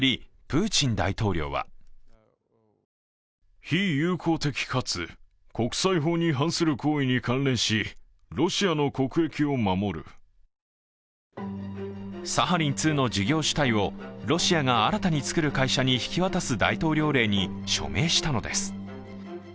プーチン大統領はサハリン２の事業主体をロシアが新たに作る会社に引き渡す大統領令に署名したのです。